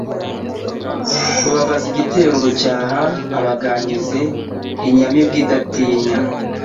Rubabaza igitero rucyaha abaganizi, inyamibwa idatinya